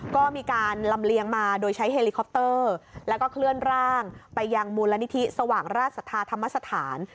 ก็มีการลำเลียงมาโดยใช้เฮลิคอปเตอร์แล้วก็เคลื่อนร่างไปยังมูลนิธิสว่างราชสัทธาธรรมสถาน